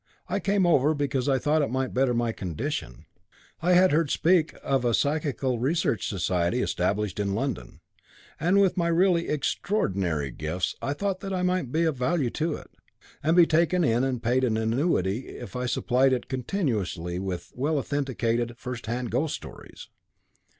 'I came over because I thought I might better my condition. I had heard speak of a Psychical Research Society established in London; and with my really extraordinary gifts, I thought that I might be of value to it, and be taken in and paid an annuity if I supplied it continuously with well authenticated, first hand ghost stories.'